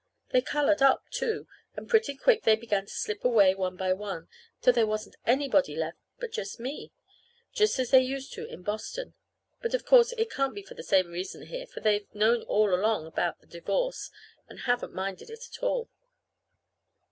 They colored up, too; and pretty quick they began to slip away, one by one, till there wasn't anybody left but just me, just as they used to do in Boston. But of course it can't be for the same reason here, for they've known all along about the divorce and haven't minded it at all.